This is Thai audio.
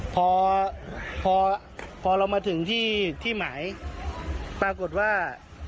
พอพอเรามาถึงที่ที่หมายปรากฏว่า